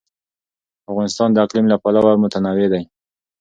افغانستان د اقلیم له پلوه متنوع دی.